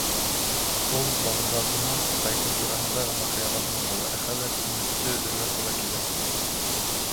Ул Бағдадына ҡайтыу тураһында ғына хыялланған була, ә хәҙер өмөттө өҙөргә тура киләсәк.